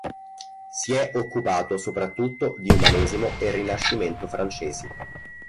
Si è occupato soprattutto di Umanesimo e Rinascimento francesi.